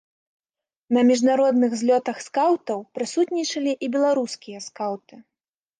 На міжнародных злётах скаўтаў прысутнічалі і беларускія скаўты.